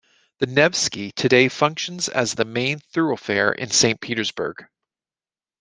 The Nevsky today functions as the main thoroughfare in Saint Petersburg.